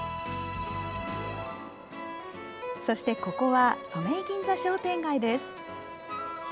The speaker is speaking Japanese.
そしてここは染井銀座商店街です。